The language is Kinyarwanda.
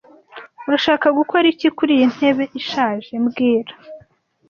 Urashaka gukora iki kuriyi ntebe ishaje mbwira